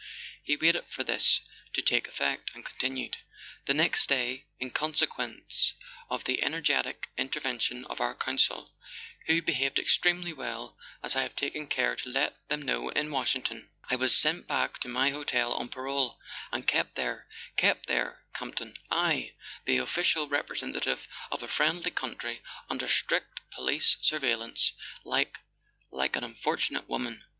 .." He waited for this to take effect, and continued: "The next day, in consequence of the energetic inter¬ vention of our consul—who behaved extremely well, as I have taken care to let them know in Washington —I was sent back to my hotel on parole, and kept there, kept there, Campton—/, the official represen¬ tative of a friendly country—under strict police sur¬ veillance, like ... like an unfortunate woman